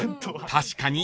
確かに。